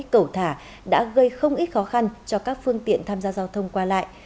ít cẩu thả đã gây không ít khó khăn cho các phương tiện tham gia giao thông qua lại